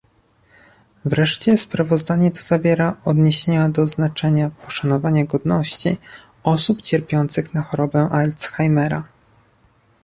Wreszcie sprawozdanie to zawiera odniesienie do znaczenia poszanowania godności osób cierpiących na chorobę Alzheimera